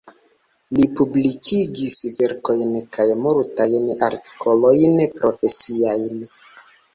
Li publikigis verkojn kaj multajn artikolojn profesiajn.